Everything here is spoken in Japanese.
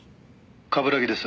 「冠城です。